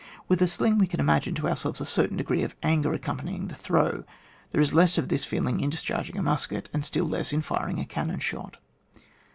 With a sling we can imagine to ourselves a certain degree of euiger accompanying tlie throw ; tliere is less of this feeling in discharging a musket, and still less in firing a cannon shot.